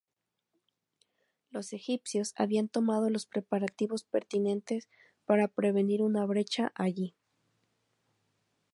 Los egipcios habían tomado los preparativos pertinentes para prevenir una brecha allí.